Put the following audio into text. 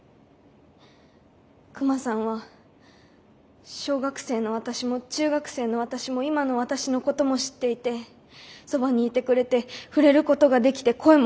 クマさんは小学生の私も中学生の私も今の私のことも知っていてそばにいてくれて触れることができて声も聞けます。